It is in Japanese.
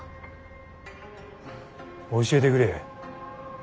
教えてくれ。